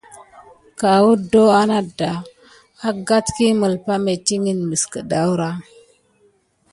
Ka adon anada agaɗɗa yi melipa metikini an katurhu kenani.